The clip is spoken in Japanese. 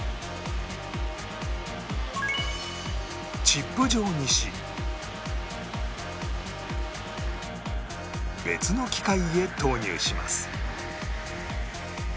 チップ状にし別の機械へ投入します